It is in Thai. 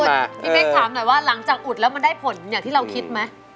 คุณพี่เป๊กถามหน่อยว่าหลังจากอุดแล้วมันได้ผลอย่างที่เราคิดไหม